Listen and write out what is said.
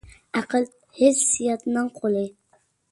ئەقىل ھېسسىياتنىڭ قۇلى.